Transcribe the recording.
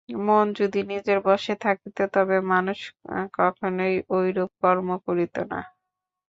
মন যদি নিজের বশে থাকিত, তবে মানুষ কখনই ঐরূপ কর্ম করিত না।